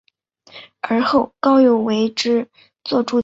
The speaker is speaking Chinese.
而后高诱为之作注解。